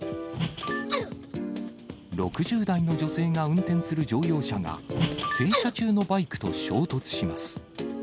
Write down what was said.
６０代の女性が運転する乗用車が、停車中のバイクと衝突します。